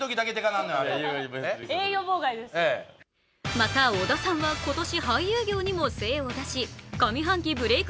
また、小田さんは今年俳優業にも精を出し上半期ブレイク